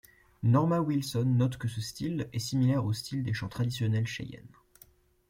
Norma Wilson note que ce style est similaire au style des chants traditionnels Cheyennes.